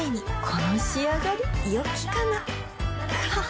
この仕上がりよきかなははっ